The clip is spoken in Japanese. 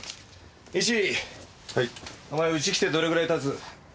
イチお前うち来てどれぐらい経つ？